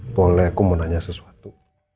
boleh aku mau nanya sesuatu